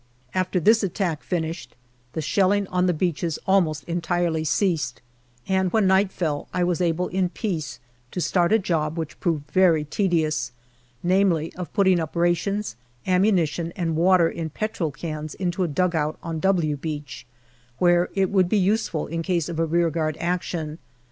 320 GALLIPOLI DIARY After this attack finished, the shelling on the beaches almost entirely ceased, and when night fell I was able in peace to start a job which proved very tedious, namely of putting up rations, ammunition, and water in petrol cans into a dugout on " W " Beach, where it would be useful in case of a rearguard action.